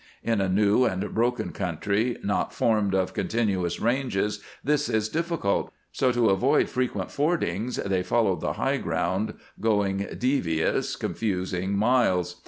In a new and broken country, not formed of continuous ranges, this is difficult. So to avoid frequent fordings they followed the high ground, going devious, confusing miles.